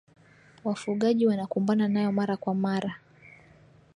wafugaji wanakumbana nayo mara kwa mara